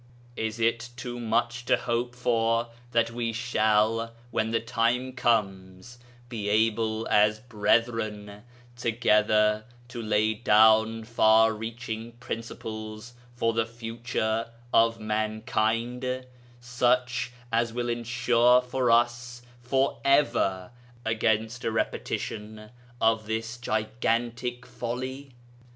Is it too much to hope for that we shall, when the time comes, be able as brethren together to lay down far reaching principles for the future of mankind such as will ensure us for ever against a repetition of this gigantic folly?